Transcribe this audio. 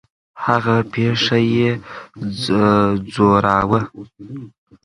هغه پېښه یې ځوراوه.